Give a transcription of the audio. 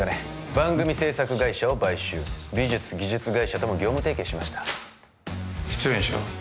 番組制作会社を買収美術・技術会社とも業務提携しました出演者は？